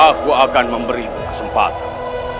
aku akan memberimu kesempatan